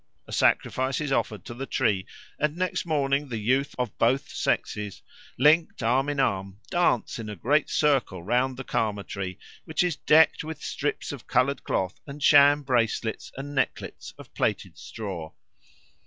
A sacrifice is offered to the tree; and next morning the youth of both sexes, linked arm in arm, dance in a great circle round the Karma tree, which is decked with strips of coloured cloth and sham bracelets and necklets of plaited straw.